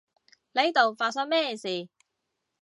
呢度發生咩事？